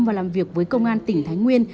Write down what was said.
và làm việc với công an tỉnh thái nguyên